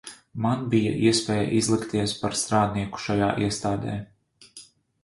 Man bija iespēja izlikties par strādnieku šajā iestādē.